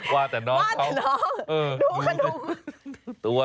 ว่าแต่น้องเขาดูขนมตัว